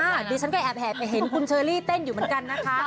อ่าเดี๋ยวฉันก็แอบแหาไปเห็นคุณเชอรี่เต้นอยู่เหมือนกันนะคะ